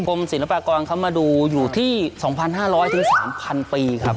กรมศิลปากรมาดูอยู่ที่๒๕๐๐ถึง๓๐๐๐ปีครับ